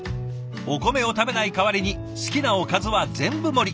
お米を食べない代わりに好きなおかずは全部盛り！